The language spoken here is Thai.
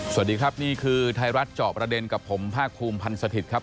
สวัสดีครับนี่คือไทยรัฐเจาะประเด็นกับผมภาคภูมิพันธ์สถิตย์ครับ